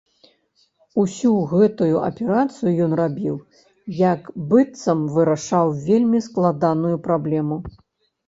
Усю гэту аперацыю ён рабіў, як быццам вырашаў вельмі складаную праблему.